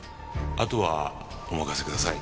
あとはお任せください。